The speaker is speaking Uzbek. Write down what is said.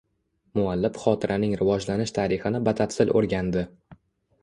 Muallif xotiraning rivojlanish tarixini batafsil o‘rgandi.